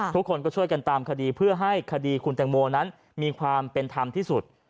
ทุกคนก็ช่วยกันตามคดีเพื่อให้คดีคุณแตงโมนั้นมีความเป็นธรรมที่สุด